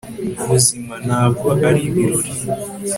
ubuzima, ntabwo ari ibirori